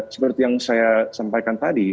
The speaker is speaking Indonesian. seperti yang saya sampaikan tadi